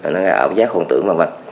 nó gây ảo giác khôn tưởng vào mặt